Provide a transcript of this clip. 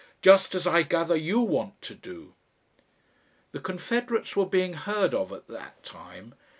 Just as, I gather, you want to do."... The Confederates were being heard of at that time.